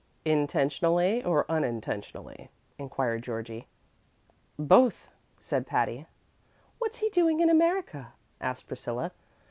"Intentionally or unintentionally?" inquired Georgie. "Both," said Patty. "What's he doing in America?" asked Priscilla.